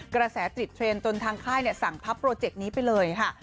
กระแสติดเทรนด์จนทางค่ายสั่งพับโปรเจกต์นี้ไปเลยค่ะ